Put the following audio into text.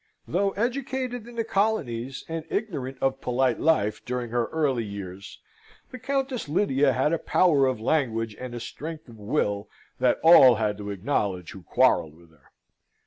Though educated in the colonies, and ignorant of polite life during her early years, the Countess Lydia had a power of language and a strength of will that all had to acknowledge who quarrelled with her.